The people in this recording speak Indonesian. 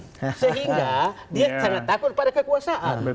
sehingga dia sangat takut pada kekuasaan